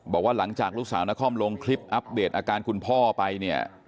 บอกว่าหลังจากลูกสาวนครลงคลิปอัปเดตอาการคุณพ่อไปเนี่ย